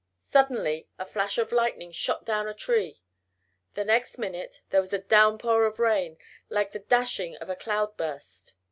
Suddenly a flash of lightning shot down a tree! The next minute there was a downpour of rain, like the dashing of a cloud burst.